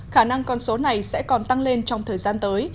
khả năng con số này sẽ còn tăng lên trong thời gian tới